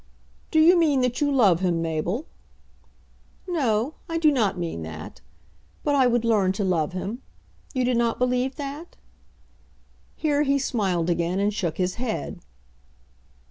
"Do you mean that you love him, Mabel?" "No; I do not mean that. But I would learn to love him. You do not believe that?" Here he smiled again and shook his head.